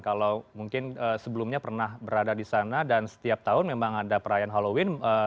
kalau mungkin sebelumnya pernah berada di sana dan setiap tahun memang ada perayaan halloween